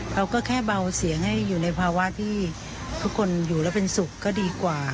เราก็แค่เบาเสียงให้อยู่ในภาวะที่ทุกคนอยู่แล้วเป็นสุขก็ดีกว่า